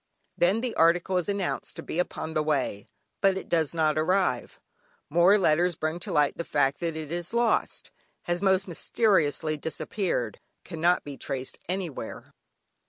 Then the article is announced to be upon the way, but it does not arrive. More letters bring to light the fact that it is lost; has most mysteriously disappeared; cannot be traced anywhere.